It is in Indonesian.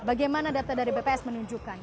bagaimana data dari bps menunjukkan